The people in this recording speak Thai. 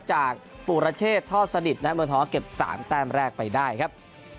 จากปุรเชษฐ์ท่อสนิทนะเมืองทองเก็บ๓แต้มแรกไปได้ครับ